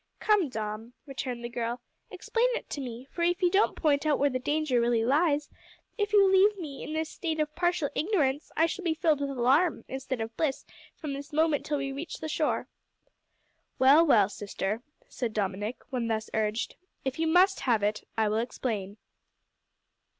"Come, Dom," returned the girl, "explain it to me; for if you don't point out where the danger really lies, if you leave me in this state of partial ignorance, I shall be filled with alarm instead of bliss from this moment till we reach the shore." "Well, well, sister," said Dominick, when thus urged; "if you must have it, I will explain."